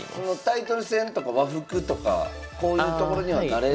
タイトル戦とか和服とかこういうところには慣れは？